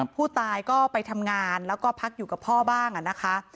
ผู้ตายก็ไปทำงานแล้วก็พักอยู่กับพ่อบ้างนะคะ